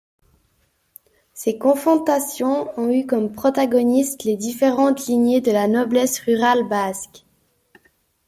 Ces confrontations ont eu comme protagonistes les différentes lignées de la noblesse rurale basque.